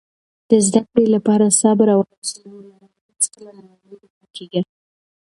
د زده کړې لپاره صبر او حوصله ولره او هیڅکله نا امیده مه کېږه.